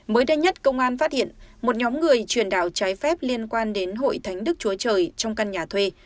mới đây nhất công an phát hiện một nhóm người truyền đạo trái phép liên quan đến hội thánh đức chúa trời trong căn nhà thuê